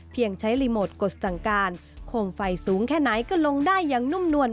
เพียงใช้รีโมทกษันการณ์โคมไฟสูงแค่ไหนก็ลงได้อย่างนุ่มนวน